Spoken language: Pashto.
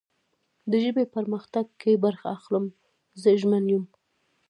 د ژبې په پرمختګ کې برخه اخلم. زه ژمن یم